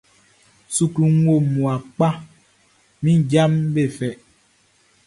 Sukluʼn wo mmua kpa, min jaʼm be fɛ.